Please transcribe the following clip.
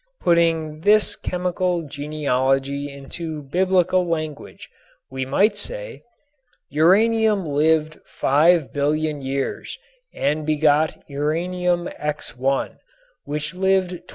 Putting this chemical genealogy into biblical language we might say: Uranium lived 5,000,000,000 years and begot Uranium X1, which lived 24.